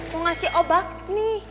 mau ngasih obat nih